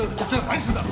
何するんだ！